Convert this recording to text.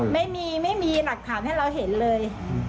ไม่มีไม่มีหลักฐานให้เราเห็นเลย